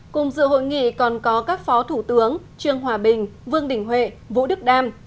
cùng dự hội nghị còn có các phó thủ tướng trương hòa bình vương đình huệ vũ đức đam